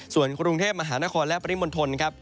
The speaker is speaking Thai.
ส่วนกรุงเทพมหานครและปริมณฑลครับ